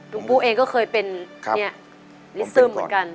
ปูเองก็เคยเป็นลิซึมเหมือนกัน